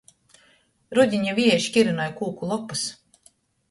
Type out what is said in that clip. Rudiņa vieji škurynoj kūku lopys.